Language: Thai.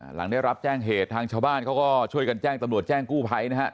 หลังได้รับแจ้งเหตุทางชาวบ้านเขาก็ช่วยกันแจ้งตำรวจแจ้งกู้ภัยนะฮะ